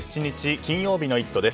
金曜日の「イット！」です。